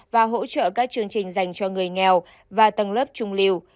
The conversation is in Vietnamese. và hỗ trợ các chương trình dành cho người nghèo và tầng lớp trung lưu